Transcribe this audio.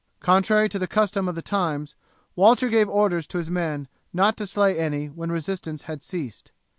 Contrary to the custom of the times, Walter gave orders to his men not to slay any when resistance had ceased.